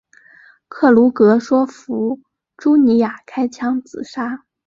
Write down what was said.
克鲁格说服朱尼尔开枪自杀。